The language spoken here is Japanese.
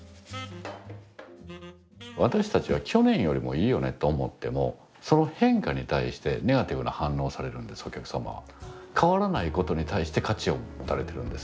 私たちは「去年よりもいいよね」と思ってもその変化に対してネガティブな反応をされるんですお客様は。